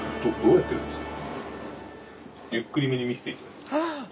ゆっくりめに見せていただいて。